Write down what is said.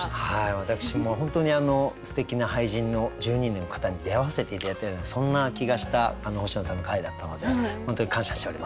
私も本当にすてきな俳人の１２人の方に出会わせて頂いたようなそんな気がした星野さんの回だったので本当に感謝しております。